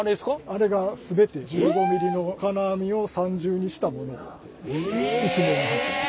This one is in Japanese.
あれが全て１５ｍｍの金網を３重にしたもの。え！？